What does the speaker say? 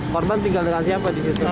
korban tinggal dengan siapa di situ